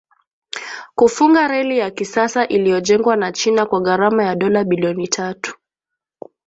Kufunga reli ya kisasa iliyojengwa na China kwa gharama ya dola bilioni tatu